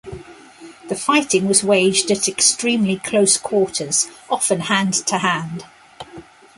The fighting was waged at extremely close quarters, often hand-to-hand.